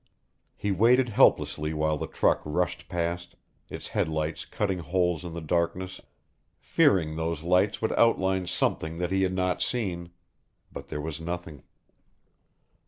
He waited helplessly while the truck rushed past, its headlights cutting holes in the darkness fearing those lights would outline something that he had not seen. But there was nothing.